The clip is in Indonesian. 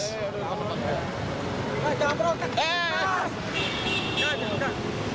hei jangan berontak